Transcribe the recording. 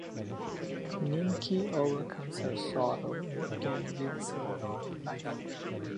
Nimki overcomes her sorrow and again lives her normal life.